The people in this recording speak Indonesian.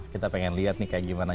kita pengen lihat nih kayak gimana